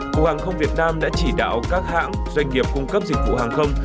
cục hàng không việt nam đã chỉ đạo các hãng doanh nghiệp cung cấp dịch vụ hàng không